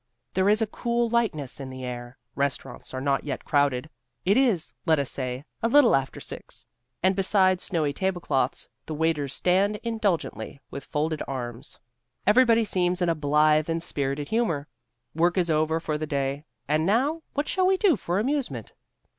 There is a cool lightness in the air; restaurants are not yet crowded (it is, let us say, a little after six) and beside snowy tablecloths the waiters stand indulgently with folded arms. Everybody seems in a blithe and spirited humour. Work is over for the day, and now what shall we do for amusement?